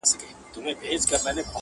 لکه ما چي خپل سکه وروڼه وژلي!